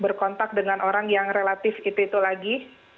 berkontak dengan orang yang relatif itu itu lagi